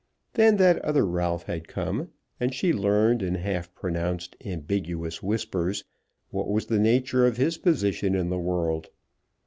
Then that other Ralph had come, and she learned in half pronounced ambiguous whispers what was the nature of his position in the world.